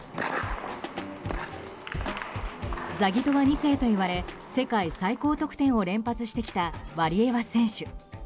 ザギトワ２世といわれ世界最高得点を連発してきたワリエワ選手。